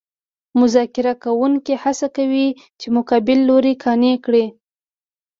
مذاکره کوونکي هڅه کوي چې مقابل لوری قانع کړي